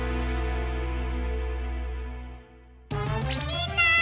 みんな！